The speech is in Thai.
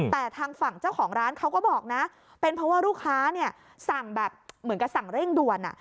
แต่ทางฝั่งเจ้าของร้านเขาก็บอกนะเป็นเพราะว่าลูกค้าเนี่ยสั่งแบบเหมือนกับสั่งเร่งด่วน